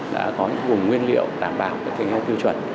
đã có những vùng nguyên liệu đảm bảo theo tiêu chuẩn